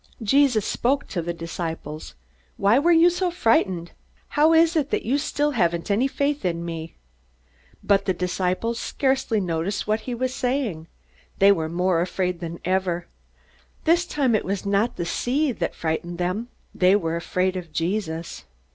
Jesus spoke to the disciples: "Why were you so frightened? How is it that you still haven't any faith in me?" But the disciples scarcely noticed what he was saying. They were more afraid than ever. This time it was not the sea that frightened them. They were afraid of Jesus.